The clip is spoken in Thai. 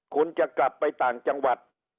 คุณจะกลับไปต่างจังหวัด